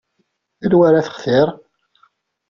Anwa ara textir?